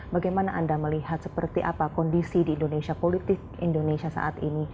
bagaimana anda melihat seperti apa kondisi di indonesia politik indonesia saat ini